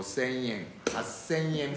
８，０００円。